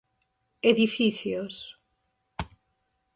Edificios.